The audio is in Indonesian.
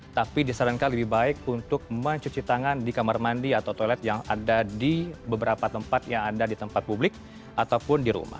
tapi disarankan lebih baik untuk mencuci tangan di kamar mandi atau toilet yang ada di beberapa tempat yang ada di tempat publik ataupun di rumah